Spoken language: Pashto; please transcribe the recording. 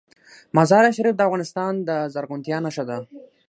مزارشریف د افغانستان د زرغونتیا نښه ده.